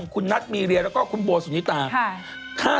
คุณนัทมีเรียแล้วก็คุณโบสุนิตา